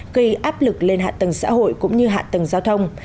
gây áp lực lên hạ tầng xã hội cũng như hạ tầng giao thông